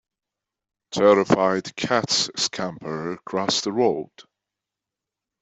Terrified cats scamper across the road.